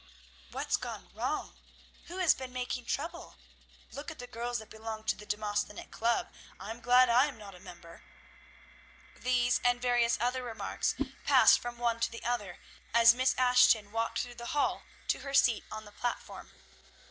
"What's gone wrong? Who has been making trouble? Look at the girls that belong to the Demosthenic Club! I'm glad I am not a member!" These, and various other remarks, passed from one to the other, as Miss Ashton walked through the hall to her seat on the platform.